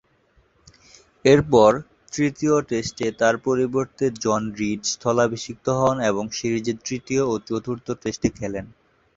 এরপর, তৃতীয় টেস্টে তার পরিবর্তে জন রিড স্থলাভিষিক্ত হন এবং সিরিজের তৃতীয় ও চতুর্থ টেস্টে খেলেন।